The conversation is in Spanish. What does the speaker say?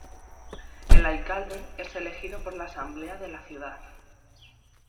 El alcalde es elegido por la Asamblea de la Ciudad.